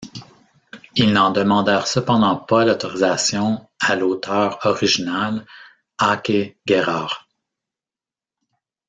Ils n'en demandèrent cependant pas l'autorisation à l'auteur original, Åke Gerhard.